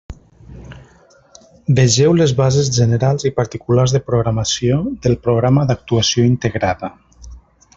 Vegeu les bases generals i particulars de programació del programa d'actuació integrada.